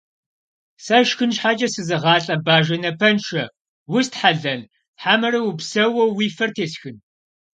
Сэ шхын щхьэкӀэ сызыгъалӀэ Бажэ напэншэ, устхьэлэн хьэмэрэ упсэууэ уи фэр тесхын?!